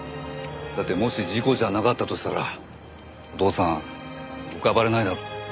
だってもし事故じゃなかったとしたらお父さん浮かばれないだろ。